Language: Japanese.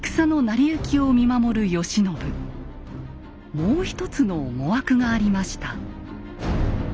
もう一つの思惑がありました。